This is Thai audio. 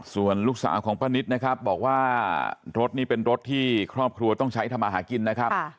ส่วนลูกสาวของป้านิตนะครับบอกว่ารถนี่เป็นรถที่ครอบครัวต้องใช้ทำอาหารกินนะครับ